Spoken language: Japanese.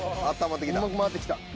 あったまってきた？